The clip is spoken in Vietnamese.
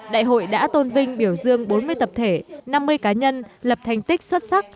đại hội đã tôn vinh biểu dương bốn mươi tập thể năm mươi cá nhân lập thành tích xuất sắc